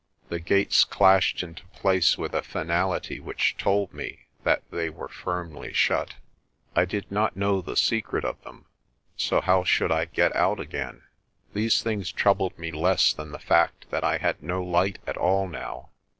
The gates clashed into place with a finality which told me that they were firmly 236 PRESTER JOHN shut. I did not know the secret of them, so how should I get out again? These things troubled me less than the fact that I had no light at all now.